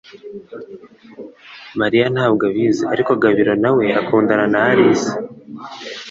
Mariya ntabwo abizi ariko Gabiro nawe akundana na Alice